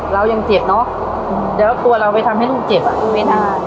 เรายังเจ็บเนอะแล้วตัวเราไปทำให้ลูกเจ็บอ่ะไม่ได้